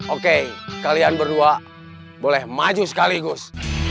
oke kalian berdua boleh maju sekaligus